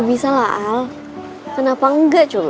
bisa lah al kenapa enggak coba